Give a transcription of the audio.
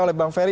oleh bang ferry